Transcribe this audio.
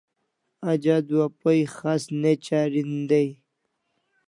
Aj adua pay khas ne charin dai